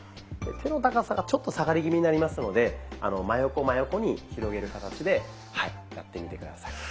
手の高さがちょっと下がり気味になりますので真横真横に広げる形でやってみて下さい。